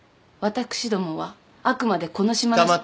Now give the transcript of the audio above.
私どもはあくまでこの島の。